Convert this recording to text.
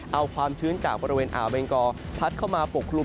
เอาความชื้นจากบริเวณอ่าวเบงกอพัดเข้ามาปกคลุม